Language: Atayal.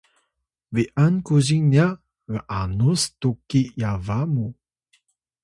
bi’an kuzing nya g’anus tuki yaba mu